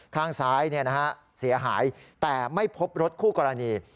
ข้างซ้ายเสียหายแต่ไม่พบรถคู่กรณี